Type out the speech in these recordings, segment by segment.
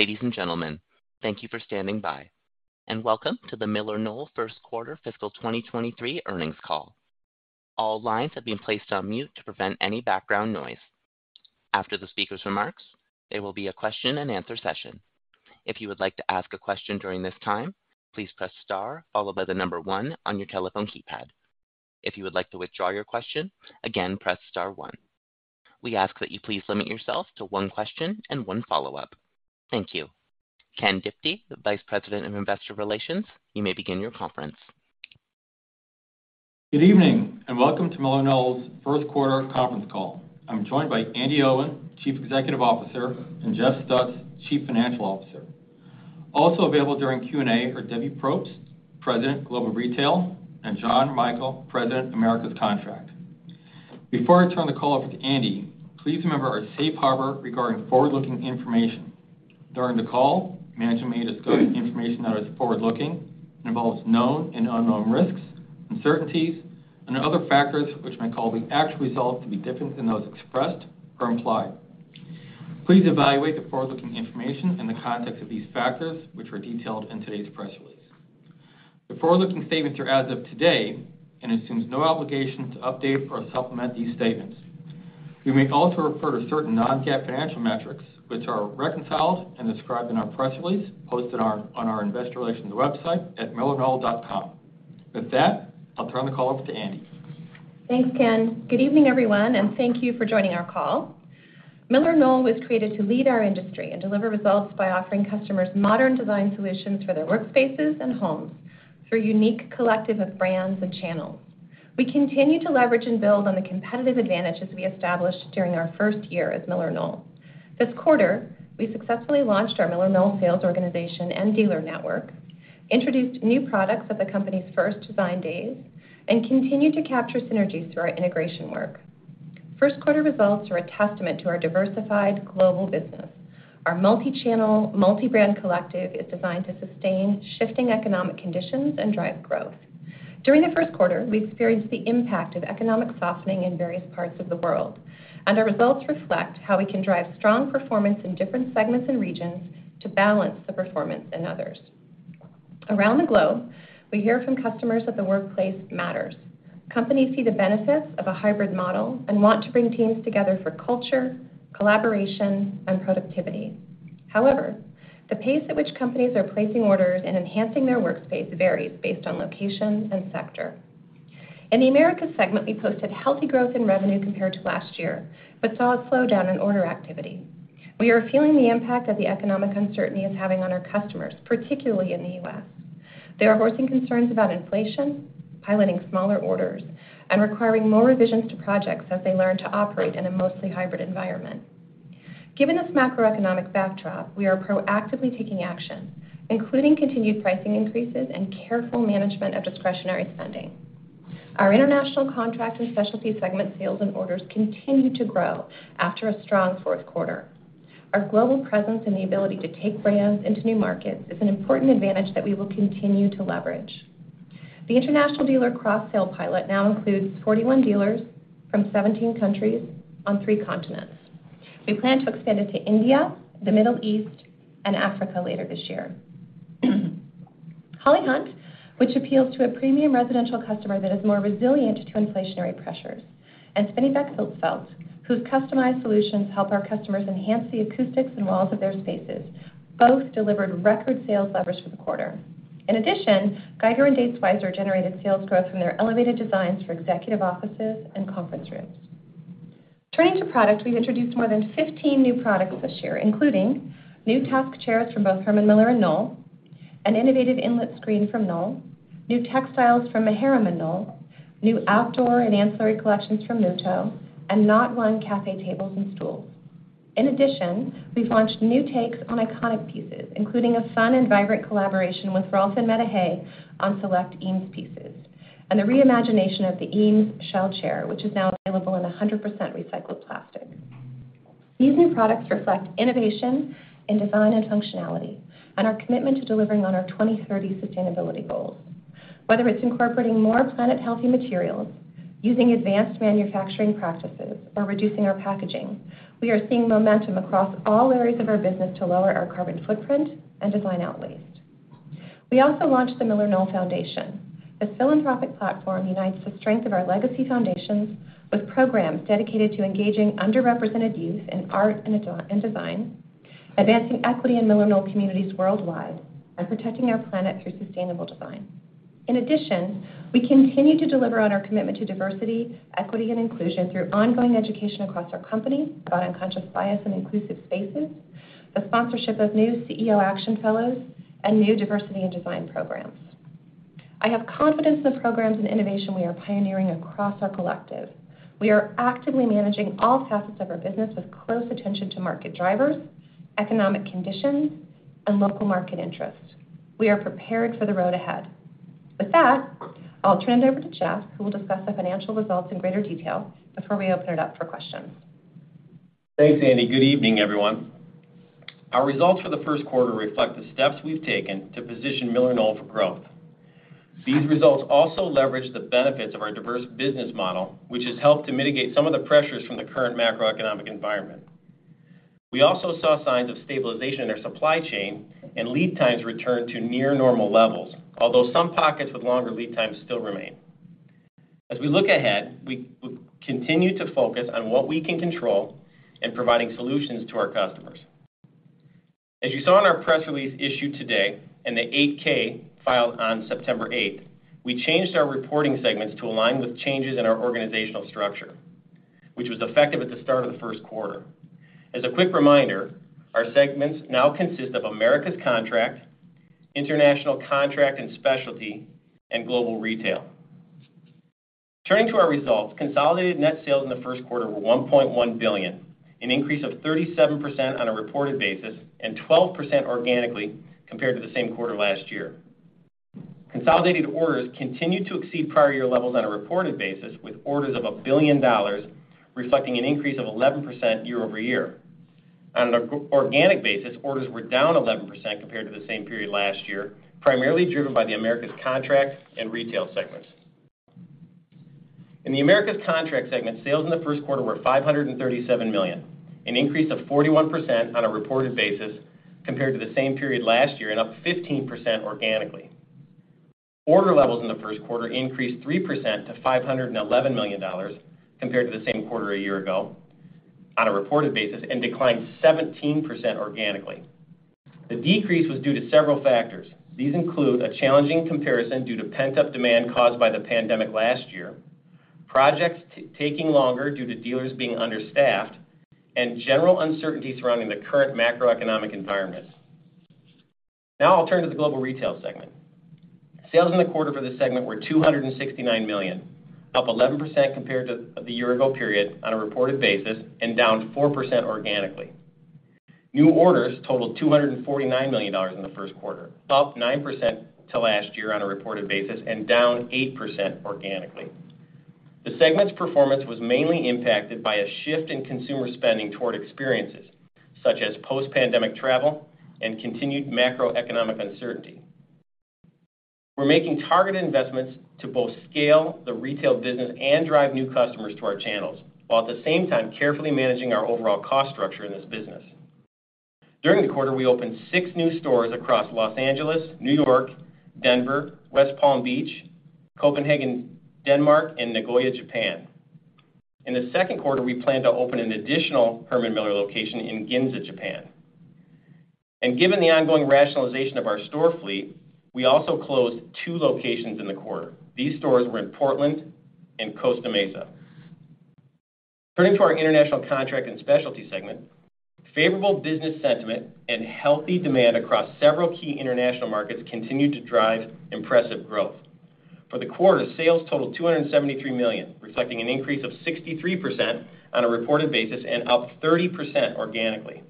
Ladies and gentlemen, thank you for standing by, and welcome to the MillerKnoll First Quarter Fiscal 2023 Earnings Call. All lines have been placed on mute to prevent any background noise. After the speaker's remarks, there will be a question-and-answer session. If you would like to ask a question during this time, please press star followed by the number one on your telephone keypad. If you would like to withdraw your question, again, press star one. We ask that you please limit yourself to one question and one follow-up. Thank you. Ken Diptee, the Vice President of Investor Relations, you may begin your conference. Good evening, and welcome to MillerKnoll's first quarter conference call. I'm joined by Andi Owen, Chief Executive Officer, and Jeff Stutz, Chief Financial Officer. Also available during Q&A are Debbie Propst, President, Global Retail, and John Michael, President, Americas Contract. Before I turn the call over to Andi, please remember our safe harbor regarding forward-looking information. During the call, management may discuss information that is forward-looking and involves known and unknown risks, uncertainties, and other factors which may call the actual results to be different than those expressed or implied. Please evaluate the forward-looking information in the context of these factors, which are detailed in today's press release. The forward-looking statements are as of today and assumes no obligation to update or supplement these statements. We may also refer to certain non-GAAP financial metrics, which are reconciled and described in our press release posted on our investor relations website at millerknoll.com. With that, I'll turn the call over to Andi. Thanks, Ken. Good evening, everyone, and thank you for joining our call. MillerKnoll was created to lead our industry and deliver results by offering customers modern design solutions for their workspaces and homes through a unique collective of brands and channels. We continue to leverage and build on the competitive advantages we established during our first year as MillerKnoll. This quarter, we successfully launched our MillerKnoll sales organization and dealer network, introduced new products at the company's first Design Days, and continued to capture synergies through our integration work. First quarter results are a testament to our diversified global business. Our multi-channel, multi-brand collective is designed to sustain shifting economic conditions and drive growth. During the first quarter, we experienced the impact of economic softening in various parts of the world, and our results reflect how we can drive strong performance in different segments and regions to balance the performance in others. Around the globe, we hear from customers that the workplace matters. Companies see the benefits of a hybrid model and want to bring teams together for culture, collaboration, and productivity. However, the pace at which companies are placing orders and enhancing their workspace varies based on location and sector. In the Americas segment, we posted healthy growth in revenue compared to last year, but saw a slowdown in order activity. We are feeling the impact that the economic uncertainty is having on our customers, particularly in the U.S. They are voicing concerns about inflation, piloting smaller orders, and requiring more revisions to projects as they learn to operate in a mostly hybrid environment. Given this macroeconomic backdrop, we are proactively taking action, including continued pricing increases and careful management of discretionary spending. Our International Contract & Specialty segment sales and orders continued to grow after a strong fourth quarter. Our global presence and the ability to take brands into new markets is an important advantage that we will continue to leverage. The international dealer cross-sale pilot now includes 41 dealers from 17 countries on three continents. We plan to expand it to India, the Middle East, and Africa later this year. Holly Hunt, which appeals to a premium residential customer that is more resilient to inflationary pressures, and Spinneybeck FilzFelt, whose customized solutions help our customers enhance the acoustics and walls of their spaces, both delivered record sales leverage for the quarter. In addition, Geiger and DatesWeiser generated sales growth from their elevated designs for executive offices and conference rooms. Turning to products, we've introduced more than 15 new products this year, including new task chairs from both Herman Miller and Knoll, an innovative inlet screen from Knoll, new textiles from Maharam and Knoll, new outdoor and ancillary collections from Muuto, and naughtone cafe tables and stools. In addition, we've launched new takes on iconic pieces, including a fun and vibrant collaboration with Rolf and Mette Hay on select Eames pieces, and the reimagination of the Eames Shell Chair, which is now available in 100% recycled plastic. These new products reflect innovation in design and functionality and our commitment to delivering on our 2030 sustainability goals. Whether it's incorporating more planet-healthy materials, using advanced manufacturing practices, or reducing our packaging, we are seeing momentum across all areas of our business to lower our carbon footprint and design out waste. We also launched the MillerKnoll Foundation. This philanthropic platform unites the strength of our legacy foundations with programs dedicated to engaging underrepresented youth in design, advancing equity in MillerKnoll communities worldwide, and protecting our planet through sustainable design. In addition, we continue to deliver on our commitment to diversity, equity, and inclusion through ongoing education across our company about unconscious bias and inclusive spaces, the sponsorship of new CEO Action Fellows, and new diversity and design programs. I have confidence in the programs and innovation we are pioneering across our collective. We are actively managing all facets of our business with close attention to market drivers, economic conditions, and local market interests. We are prepared for the road ahead. With that, I'll turn it over to Jeff, who will discuss the financial results in greater detail before we open it up for questions. Thanks, Andi. Good evening, everyone. Our results for the first quarter reflect the steps we've taken to position MillerKnoll for growth. These results also leverage the benefits of our diverse business model, which has helped to mitigate some of the pressures from the current macroeconomic environment. We also saw signs of stabilization in our supply chain and lead times return to near normal levels. Although some pockets with longer lead times still remain. As we look ahead, we will continue to focus on what we can control and providing solutions to our customers. As you saw in our press release issued today and the 8-K filed on September eighth, we changed our reporting segments to align with changes in our organizational structure, which was effective at the start of the first quarter. As a quick reminder, our segments now consist of Americas Contract, International Contract & Specialty, and Global Retail. Turning to our results, consolidated net sales in the first quarter were $1.1 billion, an increase of 37% on a reported basis and 12% organically compared to the same quarter last year. Consolidated orders continued to exceed prior year levels on a reported basis, with orders of $1 billion reflecting an increase of 11% year-over-year. On an organic basis, orders were down 11% compared to the same period last year, primarily driven by the Americas Contract and Retail segments. In the Americas Contract segment, sales in the first quarter were $537 million, an increase of 41% on a reported basis compared to the same period last year and up 15% organically. Order levels in the first quarter increased 3% to $511 million compared to the same quarter a year ago on a reported basis, and declined 17% organically. The decrease was due to several factors. These include a challenging comparison due to pent-up demand caused by the pandemic last year, projects taking longer due to dealers being understaffed, and general uncertainty surrounding the current macroeconomic environment. Now I'll turn to the global retail segment. Sales in the quarter for this segment were $269 million, up 11% compared to the year ago period on a reported basis and down 4% organically. New orders totaled $249 million in the first quarter, up 9% to last year on a reported basis and down 8% organically. The segment's performance was mainly impacted by a shift in consumer spending toward experiences such as post-pandemic travel and continued macroeconomic uncertainty. We're making targeted investments to both scale the retail business and drive new customers to our channels, while at the same time carefully managing our overall cost structure in this business. During the quarter, we opened six new stores across Los Angeles, New York, Denver, West Palm Beach, Copenhagen, Denmark, and Nagoya, Japan. In the second quarter, we plan to open an additional Herman Miller location in Ginza, Japan. Given the ongoing rationalization of our store fleet, we also closed two locations in the quarter. These stores were in Portland and Costa Mesa. Turning to our International Contract & Specialty segment, favorable business sentiment and healthy demand across several key international markets continued to drive impressive growth. For the quarter, sales totaled $273 million, reflecting an increase of 63% on a reported basis and up 30% organically.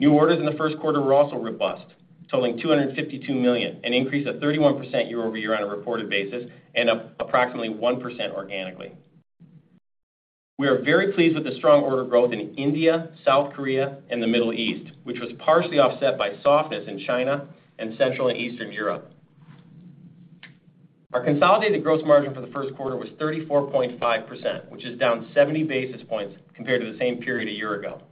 New orders in the first quarter were also robust, totaling $252 million, an increase of 31% year over year on a reported basis and up approximately 1% organically. We are very pleased with the strong order growth in India, South Korea and the Middle East, which was partially offset by softness in China and Central and Eastern Europe. Our consolidated gross margin for the first quarter was 34.5%, which is down 70 basis points compared to the same period a year ago.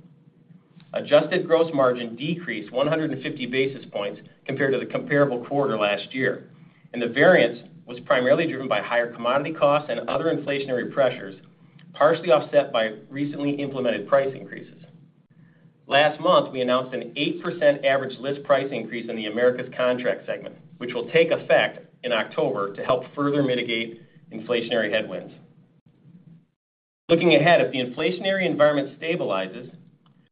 Adjusted gross margin decreased 150 basis points compared to the comparable quarter last year, and the variance was primarily driven by higher commodity costs and other inflationary pressures, partially offset by recently implemented price increases. Last month, we announced an 8% average list price increase in the Americas Contract segment, which will take effect in October to help further mitigate inflationary headwinds. Looking ahead, if the inflationary environment stabilizes,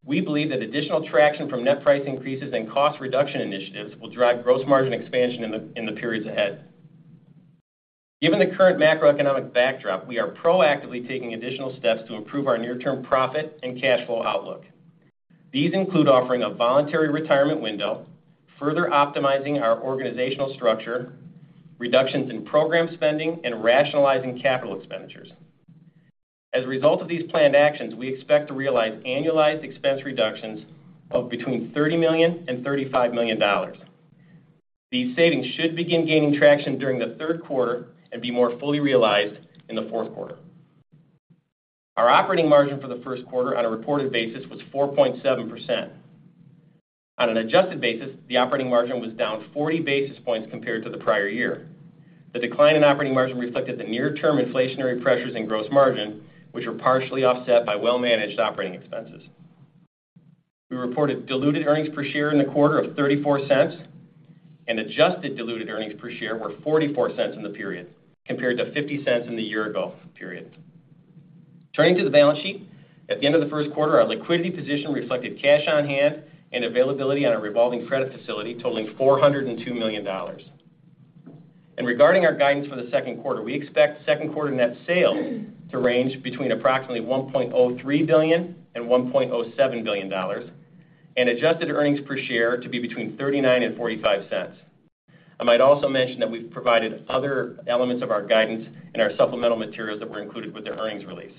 we believe that additional traction from net price increases and cost reduction initiatives will drive gross margin expansion in the periods ahead. Given the current macroeconomic backdrop, we are proactively taking additional steps to improve our near-term profit and cash flow outlook. These include offering a voluntary retirement window, further optimizing our organizational structure, reductions in program spending, and rationalizing capital expenditures. As a result of these planned actions, we expect to realize annualized expense reductions of between $30 million and $35 million. These savings should begin gaining traction during the third quarter and be more fully realized in the fourth quarter. Our operating margin for the first quarter on a reported basis was 4.7%. On an adjusted basis, the operating margin was down 40 basis points compared to the prior year. The decline in operating margin reflected the near-term inflationary pressures in gross margin, which were partially offset by well-managed operating expenses. We reported diluted earnings per share in the quarter of $0.34 and adjusted diluted earnings per share were $0.44 in the period, compared to $0.50 in the year ago period. Turning to the balance sheet. At the end of the first quarter, our liquidity position reflected cash on hand and availability on a revolving credit facility totaling $402 million. Regarding our guidance for the second quarter, we expect second quarter net sales to range between approximately $1.03 billion and $1.07 billion and adjusted earnings per share to be between $0.39 and $0.45. I might also mention that we've provided other elements of our guidance in our supplemental materials that were included with the earnings release.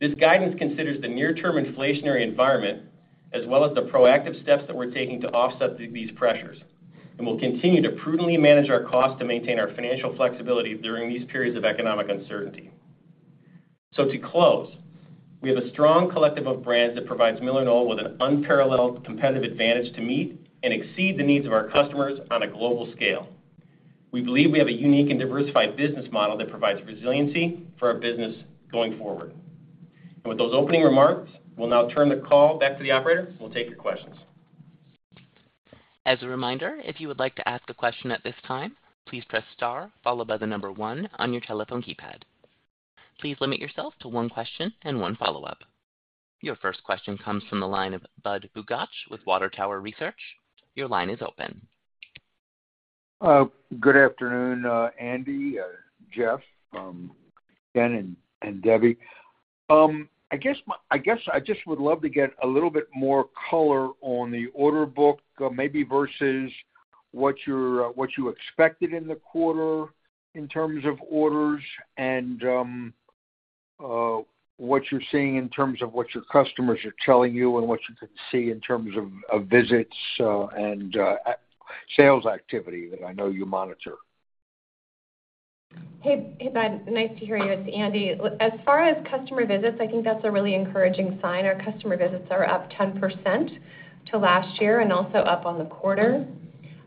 This guidance considers the near-term inflationary environment as well as the proactive steps that we're taking to offset these pressures, and we'll continue to prudently manage our cost to maintain our financial flexibility during these periods of economic uncertainty. To close, we have a strong collective of brands that provides MillerKnoll with an unparalleled competitive advantage to meet and exceed the needs of our customers on a global scale. We believe we have a unique and diversified business model that provides resiliency for our business going forward. With those opening remarks, we'll now turn the call back to the operator who will take your questions. As a reminder, if you would like to ask a question at this time, please press star followed by the number one on your telephone keypad. Please limit yourself to one question and one follow-up. Your first question comes from the line of Budd Bugatch with Water Tower Research. Your line is open. Good afternoon, Andi, Jeff, Ken and Debbie. I guess I just would love to get a little bit more color on the order book, maybe versus what you expected in the quarter in terms of orders and what you're seeing in terms of what your customers are telling you and what you can see in terms of visits and sales activity that I know you monitor. Hey, hey, Budd. Nice to hear you. It's Andi. Look, as far as customer visits, I think that's a really encouraging sign. Our customer visits are up 10% from last year and also up on the quarter.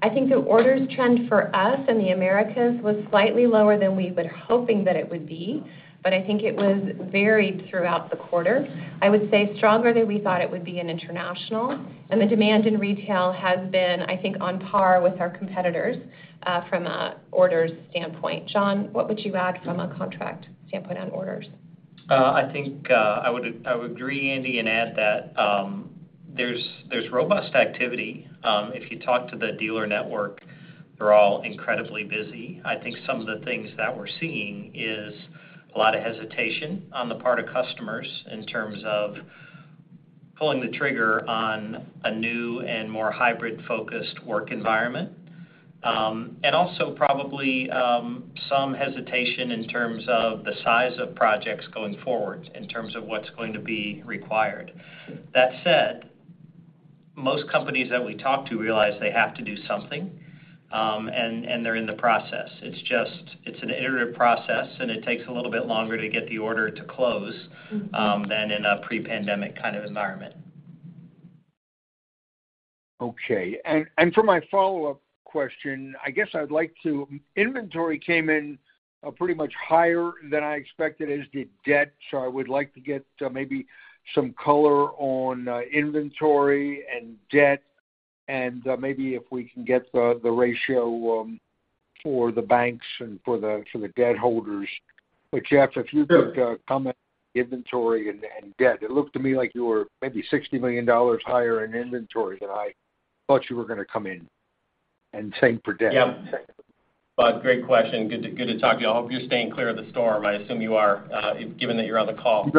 I think the orders trend for us in the Americas was slightly lower than we've been hoping that it would be, but I think it was varied throughout the quarter. I would say stronger than we thought it would be in International. The demand in Retail has been, I think, on par with our competitors from an orders standpoint. John, what would you add from a Contract standpoint on orders? I think I would agree, Andi, and add that there's robust activity. If you talk to the dealer network, they're all incredibly busy. I think some of the things that we're seeing is a lot of hesitation on the part of customers in terms of pulling the trigger on a new and more hybrid-focused work environment. Also, probably some hesitation in terms of the size of projects going forward in terms of what's going to be required. That said, most companies that we talk to realize they have to do something, and they're in the process. It's just an iterative process, and it takes a little bit longer to get the order to close than in a pre-pandemic kind of environment. Okay. For my follow-up question, I guess Inventory came in pretty much higher than I expected, as did debt, so I would like to get maybe some color on inventory and debt and maybe if we can get the ratio for the banks and for the debt holders. But Jeff- Sure. If you could comment on inventory and debt. It looked to me like you were maybe $60 million higher in inventory than I thought you were gonna come in, and same for debt. Yeah. Budd, great question. Good to talk to you. I hope you're staying clear of the storm. I assume you are, given that you're on the call.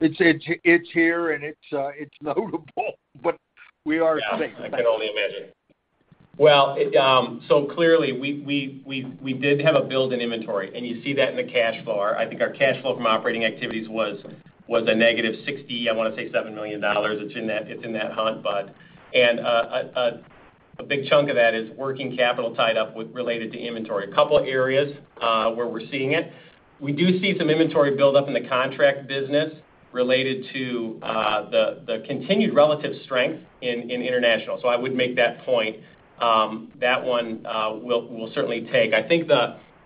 It's here and it's notable, but we are safe. I can only imagine. Clearly, we did have a buildup in inventory, and you see that in the cash flow. I think our cash flow from operating activities was a negative $67 million. It's in that hunt, Budd. A big chunk of that is working capital tied up, related to inventory. A couple areas where we're seeing it. We do see some inventory buildup in the contract business related to the continued relative strength in international. I would make that point that one we'll certainly take. I think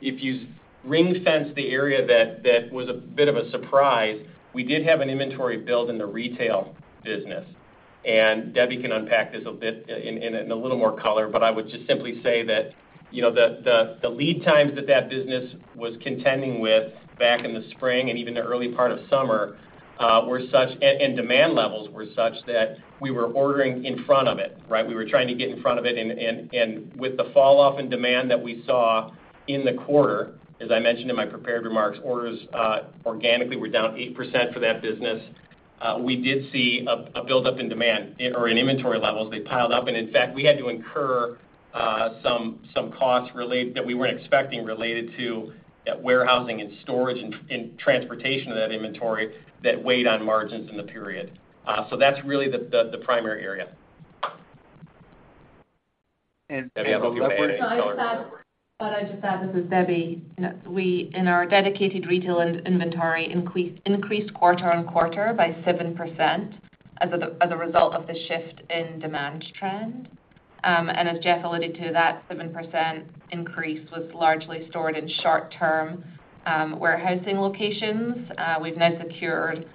if you ring-fence the area that was a bit of a surprise, we did have an inventory buildup in the retail business. Debbie can unpack this a bit in a little more color, but I would just simply say that, you know, the lead times that business was contending with back in the spring and even the early part of summer were such, and demand levels were such that we were ordering in front of it, right? We were trying to get in front of it. With the falloff in demand that we saw in the quarter, as I mentioned in my prepared remarks, orders organically were down 8% for that business. We did see a buildup in inventory levels. They piled up. In fact, we had to incur some costs that we weren't expecting related to warehousing and storage and transportation of that inventory that weighed on margins in the period. So that's really the primary area. Do you have any color- Debbie, I don't know if you have any color. I'd add, Budd. I'd just add, this is Debbie. In our dedicated retail inventory increased quarter-on-quarter by 7% as a result of the shift in demand trend. As Jeff alluded to, that 7% increase was largely stored in short-term warehousing locations. We've now secured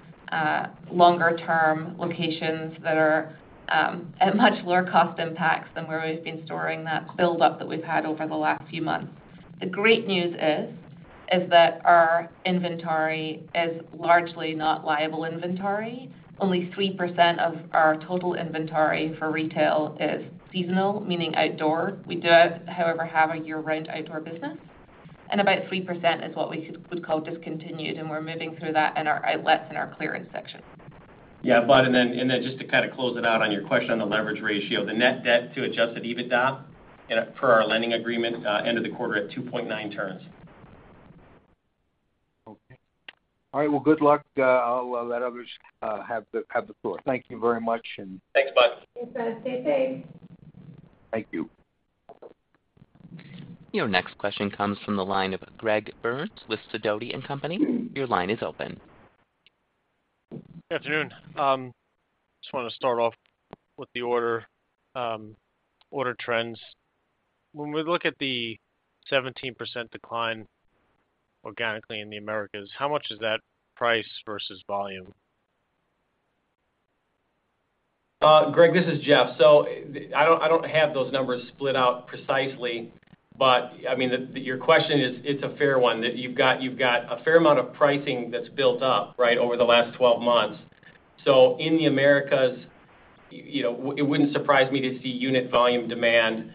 longer-term locations that are at much lower cost impacts than where we've been storing that buildup that we've had over the last few months. The great news is that our inventory is largely not liable inventory. Only 3% of our total inventory for retail is seasonal, meaning outdoor. We do, however, have a year-round outdoor business, and about 3% is what we would call discontinued, and we're moving through that in our outlets and our clearance section. Yeah, Bud, and then just to kind of close it out on your question on the leverage ratio, the net debt to Adjusted EBITDA and per our lending agreement, end of the quarter at 2.9x. Okay. All right. Well, good luck. I'll let others have the floor. Thank you very much and- Thanks, Budd. Thanks, Budd. Stay safe. Thank you. Your next question comes from the line of Greg Burns with Sidoti & Company. Your line is open. Afternoon. Just wanna start off with the order trends. When we look at the 17% decline organically in the Americas, how much is that price versus volume? Greg, this is Jeff. I don't have those numbers split out precisely, but I mean, your question is, it's a fair one that you've got a fair amount of pricing that's built up, right, over the last 12 months. In the Americas, you know, it wouldn't surprise me to see unit volume demand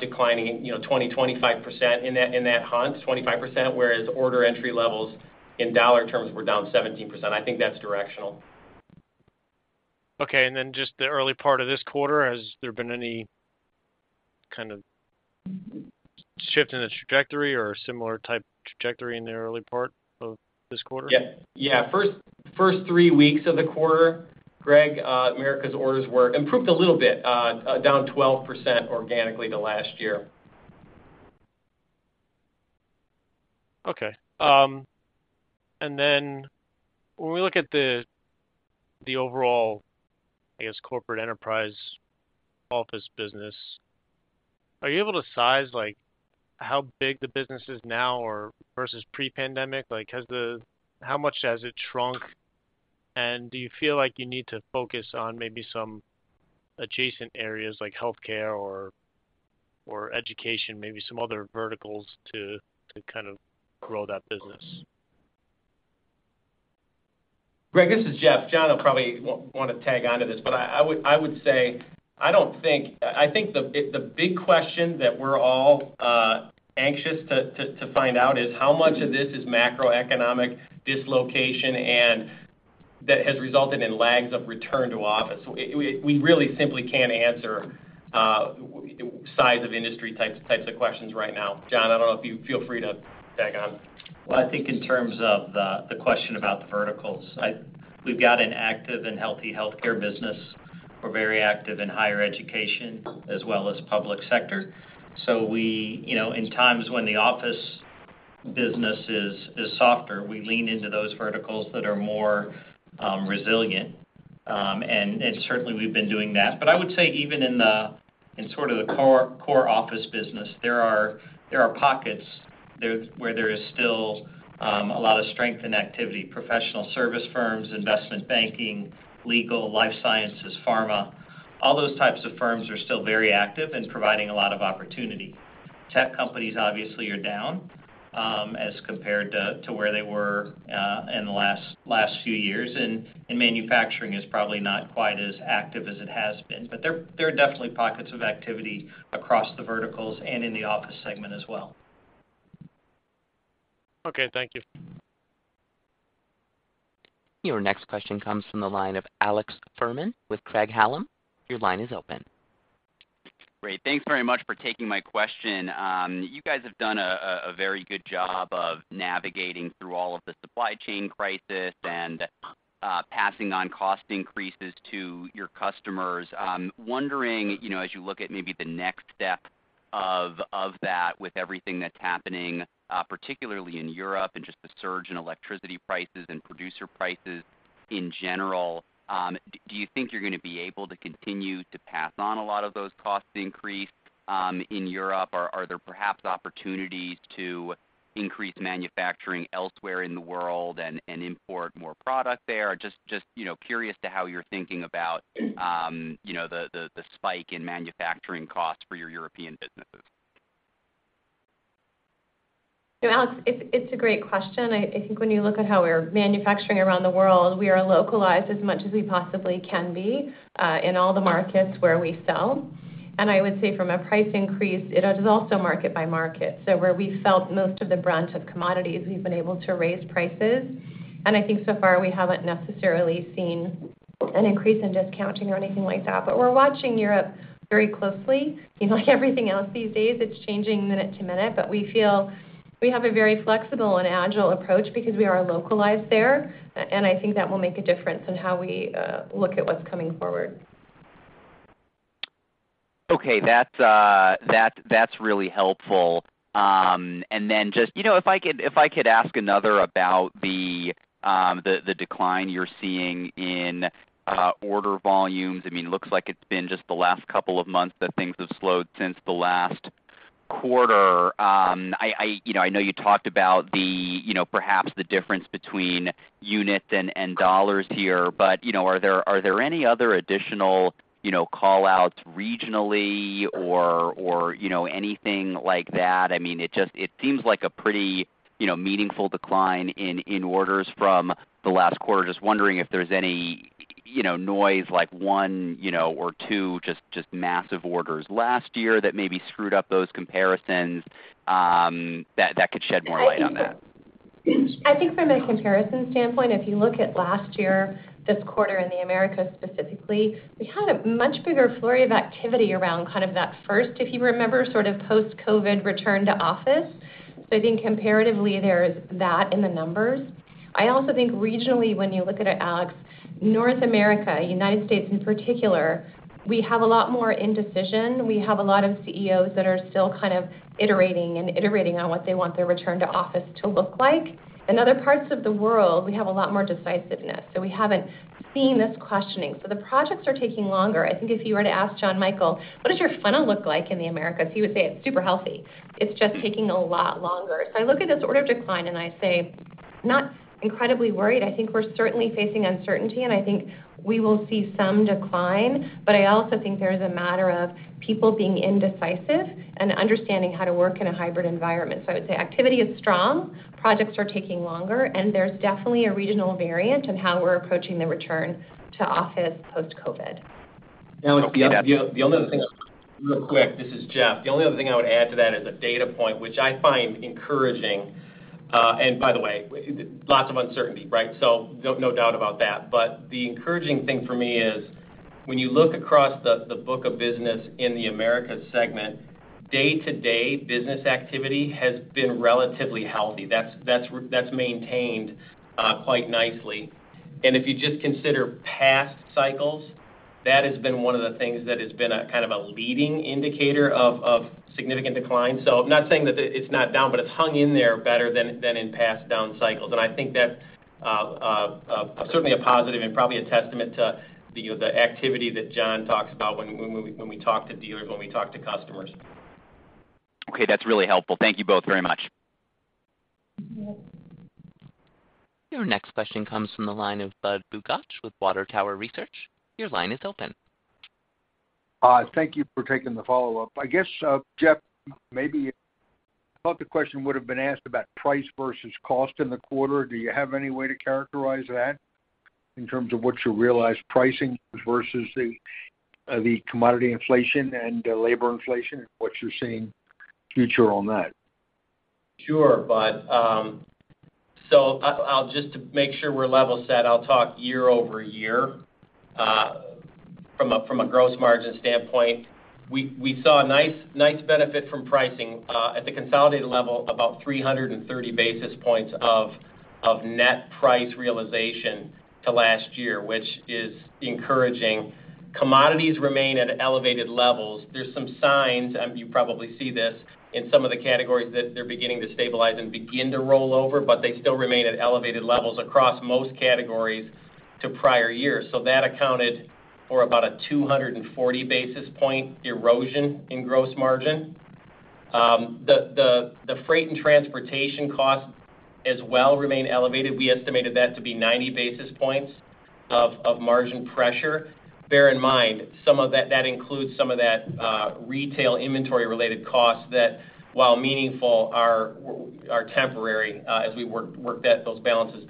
declining, you know, 20%-25% in that run, 25%, whereas order entry levels in dollar terms were down 17%. I think that's directional. Okay. Then just the early part of this quarter, has there been any kind of shift in the trajectory or similar type trajectory in the early part of this quarter? Yeah. First three weeks of the quarter, Greg, Americas orders were improved a little bit, down 12% organically to last year. Okay. When we look at the overall, I guess, corporate enterprise office business, are you able to size, like how big the business is now or versus pre-pandemic? Like, how much has it shrunk, and do you feel like you need to focus on maybe some adjacent areas like healthcare or education, maybe some other verticals to kind of grow that business? Greg, this is Jeff. John will probably wanna tag onto this, but I would say I don't think. I think the big question that we're all anxious to find out is how much of this is macroeconomic dislocation and that has resulted in lags of return to office. We really simply can't answer what size of industry types of questions right now. John, I don't know if you feel free to tag on. Well, I think in terms of the question about the verticals, we've got an active and healthy healthcare business. We're very active in higher education as well as public sector. We, you know, in times when the office business is softer, we lean into those verticals that are more resilient. Certainly, we've been doing that. I would say even in sort of the core office business, there are pockets there where there is still a lot of strength and activity, professional service firms, investment banking, legal, life sciences, pharma. All those types of firms are still very active in providing a lot of opportunity. Tech companies obviously are down as compared to where they were in the last few years. Manufacturing is probably not quite as active as it has been. There are definitely pockets of activity across the verticals and in the office segment as well. Okay. Thank you. Your next question comes from the line of Alex Fuhrman with Craig-Hallum. Your line is open. Great. Thanks very much for taking my question. You guys have done a very good job of navigating through all of the supply chain crisis and passing on cost increases to your customers. Wondering, you know, as you look at maybe the next step of that with everything that's happening, particularly in Europe and just the surge in electricity prices and producer prices in general, do you think you're gonna be able to continue to pass on a lot of those cost increases in Europe? Are there perhaps opportunities to increase manufacturing elsewhere in the world and import more product there? Just, you know, curious to how you're thinking about, you know, the spike in manufacturing costs for your European businesses. Alex, it's a great question. I think when you look at how we're manufacturing around the world, we are localized as much as we possibly can be in all the markets where we sell. I would say from a price increase, it is also market by market. Where we felt most of the brunt of commodities, we've been able to raise prices, and I think so far, we haven't necessarily seen an increase in discounting or anything like that. We're watching Europe very closely. You know, like everything else these days, it's changing minute to minute. We feel we have a very flexible and agile approach because we are localized there. I think that will make a difference in how we look at what's coming forward. Okay. That's really helpful. Then just, you know, if I could ask another about the decline you're seeing in order volumes. I mean, looks like it's been just the last couple of months that things have slowed since the last quarter. I, you know, I know you talked about the, you know, perhaps the difference between units and dollars here. You know, are there any other additional, you know, callouts regionally or, you know, anything like that? I mean, it just seems like a pretty, you know, meaningful decline in orders from the last quarter. Just wondering if there's any, you know, noise like one, you know, or two just massive orders last year that maybe screwed up those comparisons, that could shed more light on that? I think from a comparison standpoint, if you look at last year, this quarter in the Americas specifically, we had a much bigger flurry of activity around kind of that first, if you remember, sort of post-COVID return to office. I think comparatively there's that in the numbers. I also think regionally, when you look at it, Alex, North America, United States in particular, we have a lot more indecision. We have a lot of CEOs that are still kind of iterating and iterating on what they want their return to office to look like. In other parts of the world, we have a lot more decisiveness, so we haven't seen this questioning. The projects are taking longer. I think if you were to ask John Michael, "What does your funnel look like in the Americas?" He would say, "It's super healthy." It's just taking a lot longer. I look at this order decline and I say, not incredibly worried. I think we're certainly facing uncertainty, and I think we will see some decline, but I also think there is a matter of people being indecisive and understanding how to work in a hybrid environment. I would say activity is strong, projects are taking longer, and there's definitely a regional variant on how we're approaching the return to office post-COVID. Now, it's the only other thing. Real quick, this is Jeff. The only other thing I would add to that is a data point which I find encouraging. By the way, lots of uncertainty, right? No doubt about that. The encouraging thing for me is when you look across the book of business in the Americas segment, day-to-day business activity has been relatively healthy. That's maintained quite nicely. If you just consider past cycles, that has been one of the things that has been a kind of a leading indicator of significant decline. I'm not saying that it's not down, but it's hung in there better than in past down cycles. I think that's certainly a positive and probably a testament to the activity that John talks about when we talk to dealers, when we talk to customers. Okay, that's really helpful. Thank you both very much. Your next question comes from the line of Budd Bugatch with Water Tower Research. Your line is open. Thank you for taking the follow-up. I guess, Jeff, maybe thought the question would've been asked about price versus cost in the quarter. Do you have any way to characterize that in terms of what you realize pricing versus the commodity inflation and labor inflation and what you're seeing future on that? Sure, Budd. I'll just to make sure we're level set, I'll talk year-over-year. From a gross margin standpoint, we saw a nice benefit from pricing at the consolidated level about 330 basis points of net price realization to last year, which is encouraging. Commodities remain at elevated levels. There's some signs you probably see this in some of the categories that they're beginning to stabilize and begin to roll over, but they still remain at elevated levels across most categories to prior years. That accounted for about a 240 basis point erosion in gross margin. The freight and transportation costs as well remain elevated. We estimated that to be 90 basis points of margin pressure. Bear in mind, some of that includes some of that retail inventory related costs that, while meaningful, are temporary, as we work down those balances.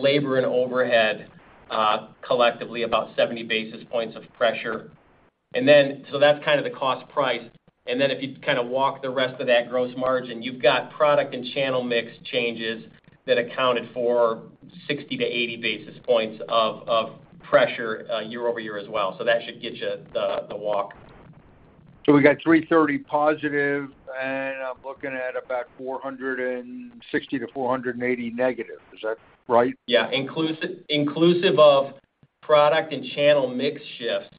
Labor and overhead collectively about 70 basis points of pressure. That's kind of the cost price. If you kind of walk the rest of that gross margin, you've got product and channel mix changes that accounted for 60-80 basis points of pressure year-over-year as well. That should get you the walk. We got 330 positive, and I'm looking at about 460-480 negative. Is that right? Yeah. Inclusive of product and channel mix shift,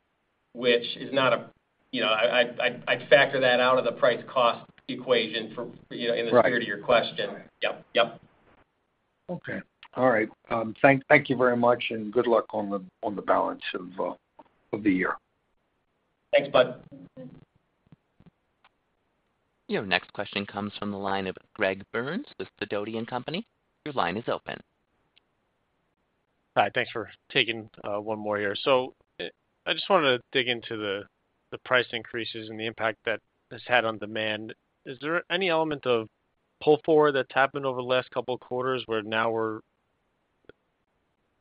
which is not a, you know, I factor that out of the price cost equation for, you know, in the spirit of your question. Right. Yep. Yep. Okay. All right. Thank you very much, and good luck on the balance of the year. Thanks, Budd. Your next question comes from the line of Greg Burns with Sidoti & Company. Your line is open. Hi. Thanks for taking one more here. I just wanna dig into the price increases and the impact that has had on demand. Is there any element of pull forward that's happened over the last couple of quarters, where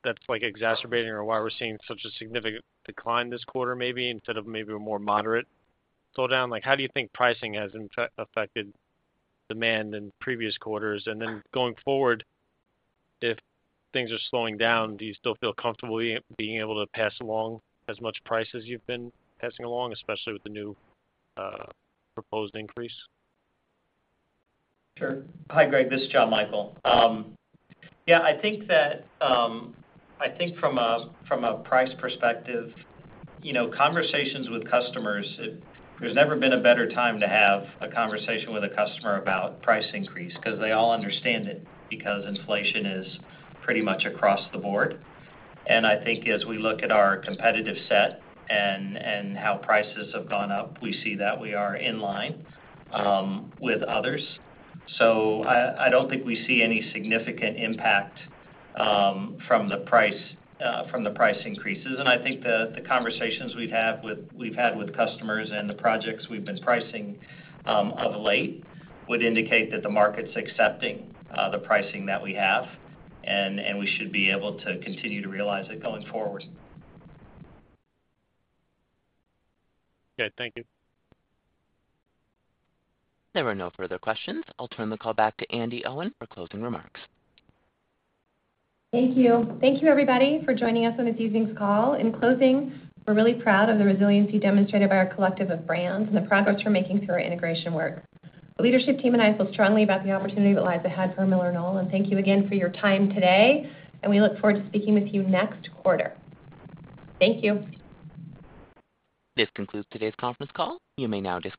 that's like exacerbating or why we're seeing such a significant decline this quarter maybe instead of maybe a more moderate slowdown? Like, how do you think pricing has affected demand in previous quarters? Going forward, if things are slowing down, do you still feel comfortable being able to pass along as much price as you've been passing along, especially with the new proposed increase? Sure. Hi, Greg. This is John Michael. Yeah, I think from a price perspective, you know, conversations with customers, there's never been a better time to have a conversation with a customer about price increase 'cause they all understand it because inflation is pretty much across the board. I think as we look at our competitive set and how prices have gone up, we see that we are in line with others. I don't think we see any significant impact from the price increases. I think the conversations we've had with customers and the projects we've been pricing of late would indicate that the market's accepting the pricing that we have and we should be able to continue to realize it going forward. Okay. Thank you. There are no further questions. I'll turn the call back to Andi Owen for closing remarks. Thank you. Thank you, everybody, for joining us on this evening's call. In closing, we're really proud of the resiliency demonstrated by our collective of brands and the progress we're making through our integration work. The leadership team and I feel strongly about the opportunity that lies ahead for MillerKnoll, and thank you again for your time today, and we look forward to speaking with you next quarter. Thank you. This concludes today's conference call. You may now disconnect.